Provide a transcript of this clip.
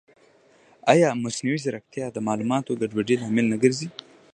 ایا مصنوعي ځیرکتیا د معلوماتي ګډوډۍ لامل نه ګرځي؟